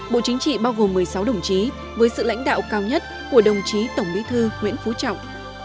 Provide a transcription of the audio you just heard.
bộ chính trị bao gồm một mươi sáu đồng chí với sự lãnh đạo cao nhất của đồng chí tổng bí thư nguyễn phú trọng